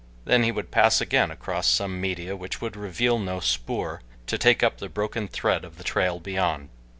Then he would pass again across some media which would reveal no spoor, to take up the broken thread of the trail beyond.